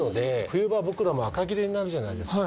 冬場僕らもあかぎれになるじゃないですか。